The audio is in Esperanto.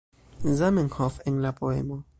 Zamenhof en la poemo.